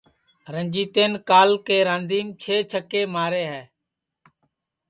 رنجیتین کال کے راندیم چھے چھکے مارے ہے